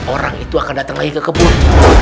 orang itu akan datang lagi ke kebun